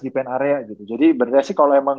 di paint area gitu jadi beneran sih kalo emang